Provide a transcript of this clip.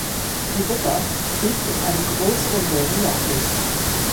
Die Wupper fließt in einem größeren Bogen nördlich.